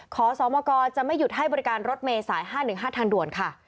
ขอสมกจะไม่หยุดให้บริการรถเมษาย๕๑๕ทางด่วนค่ะ